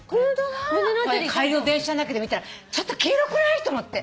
これ帰りの電車の中で見たらちょっと黄色くない！？と思って。